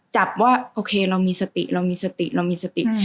จับว่าโอเคเรามีสติเรามีสติเรามีสติ